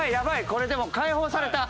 これでも解放された！